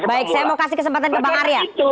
baik saya mau kasih kesempatan ke bang arya